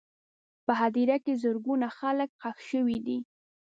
په هدیره کې زرګونه خلک ښخ شوي دي.